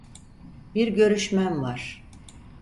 Bir görüşmem var.